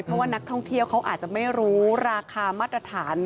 เพราะว่านักท่องเที่ยวเขาอาจจะไม่รู้ราคามาตรฐาน